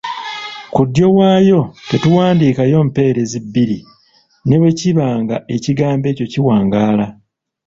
Ku ddyo waayo tetuwandiikayo mpereezi bbiri ne bwe kiba nga ekigambo ekyo kiwangaala.